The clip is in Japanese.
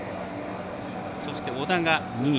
そして小田が２位。